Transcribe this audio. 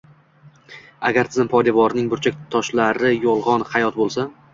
Agar tizim poydevorining burchak toshlari “yolg‘on hayot” bo‘lsa